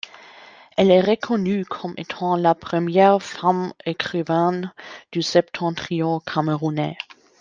Elle est reconnue comme étant la première femme écrivaine du Septentrion camerounais.